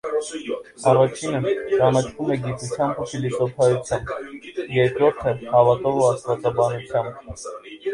Առաջինը ճանաչվում է գիտությամբ ու փիլիսոփայությամբ, երկրորդը՝ հավատով ու աստվածաբանությամբ։